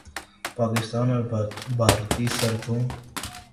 پاکستان اور بھارتی سرحدوں